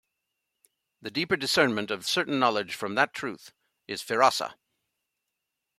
The deeper discernment of certain knowledge from that truth is "firasa".